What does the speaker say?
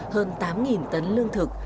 hơn tám tấn lương thực